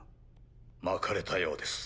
まかれたようです。